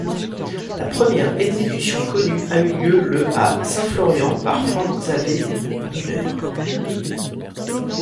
La première exécution connue a eu lieu le à Saint-Florian par Franz Xaver Müller.